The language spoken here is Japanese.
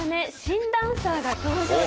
新ダンサーが登場です。